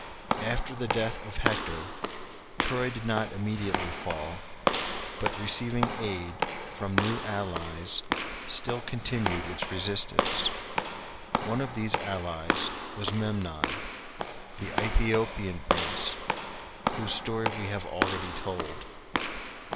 After the death of Hector, Troy did not immediately fall, but receiving aid from new allies still continued its resistance. One of these allies was Memnon, the Aethiopian prince, whose story we have already told.